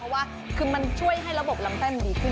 เพราะว่าคือมันช่วยให้ระบบลำไส้มันดีขึ้น